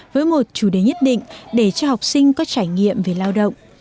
với một chủ đề nhất định để cho học sinh có trải nghiệm về lao động